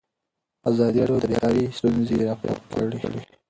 ازادي راډیو د بیکاري ستونزې راپور کړي.